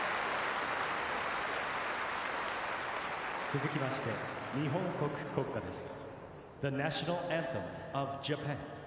続きまして日本国国歌です。